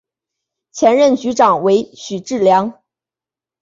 前任局长为许志梁。